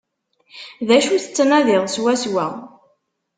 D acu tettnadid swaswa?